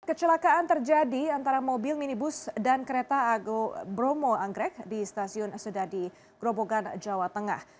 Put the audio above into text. kecelakaan terjadi antara mobil minibus dan kereta ago bromo anggrek di stasiun sudadi grobogan jawa tengah